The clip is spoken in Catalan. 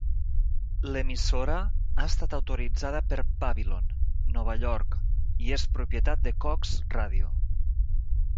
L'emissora ha estat autoritzada per Babylon, Nova York i és propietat de Cox Radio.